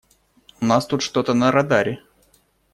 У нас тут что-то на радаре.